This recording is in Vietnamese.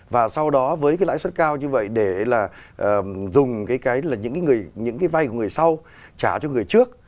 và sau đó với cái lãi suất cao như vậy để là dùng cái là những cái vay của người sau trả cho người trước